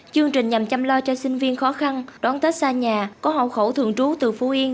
chương trình nhằm chăm lo cho sinh viên khó khăn đón tết xa nhà có hộ khẩu thường trú từ phú yên